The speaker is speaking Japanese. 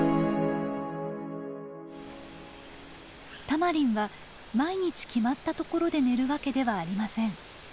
タマリンは毎日決まった所で寝るわけではありません。